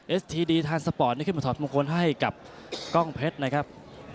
ทีดีทานสปอร์ตได้ขึ้นมาถอดมงคลให้กับกล้องเพชรนะครับ